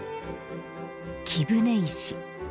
貴船石。